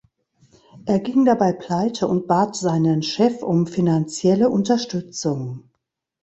Er ging dabei pleite und bat seinen Chef um finanzielle Unterstützung.